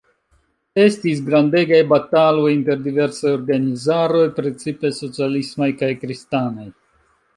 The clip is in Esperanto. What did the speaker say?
Estis grandegaj bataloj inter diversaj organizaroj, precipe socialismaj kaj kristanaj.